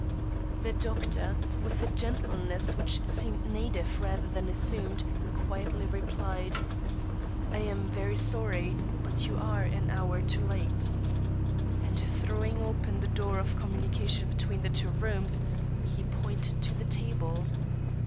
The doctor, with a gentleness which seemed native rather than assumed, quietly replied: "I am very sorry, but you are an hour too late." And, throwing open the door of communication between the two rooms, he pointed to the table.